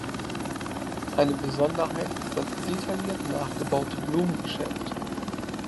Eine Besonderheit ist das detailliert nachgebaute Blumengeschäft.